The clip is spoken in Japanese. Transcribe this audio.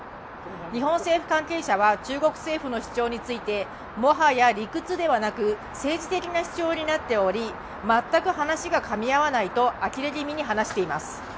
日本政府関係者は中国政府の主張についてもはや理屈ではなく、政治的な主張になっており、全く話がかみ合わないとあきれ気味に話しています。